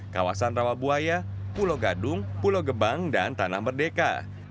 kawasan rawabuaya pulau gadung pulau gebang dan tanah merdeka